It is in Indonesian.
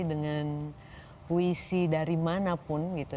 dengan puisi dari mana pun gitu